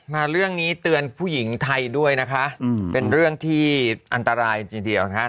มาเรื่องนี้เตือนผู้หญิงไทยด้วยนะคะเป็นเรื่องที่อันตรายทีเดียวนะครับ